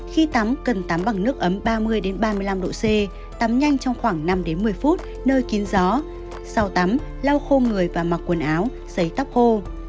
khi tắm cần tắm bằng nước ấm ba mươi ba mươi năm độ c tắm nhanh trong khoảng năm một mươi phút nơi kín gió sao tắm lau khô người và mặc quần áo xấy tóc khô